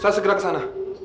saya segera ke sana